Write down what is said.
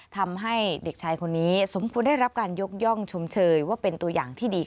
ทำให้เด็กชายคนนี้สมควรได้รับการยกย่องชมเชยว่าเป็นตัวอย่างที่ดี